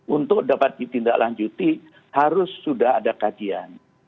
untuk dapat ditindaklanjuti harus sudah ada kajian